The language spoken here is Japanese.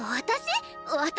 私⁉